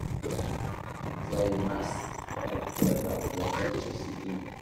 They must have turned off the electricity.